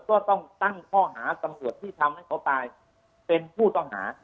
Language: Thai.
ก็ต้องตั้งข้อหาตำรวจที่ทำให้เขาตายเป็นผู้ต้องหา